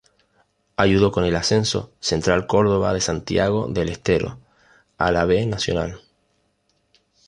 Ayudó con el ascenso Central Córdoba de Santiago del Estero a la B Nacional.